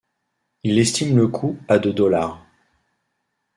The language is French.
Il estime le coût à de dollars.